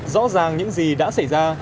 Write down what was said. rõ ràng những gì đã xảy ra